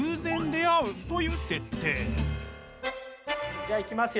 じゃあいきますよ。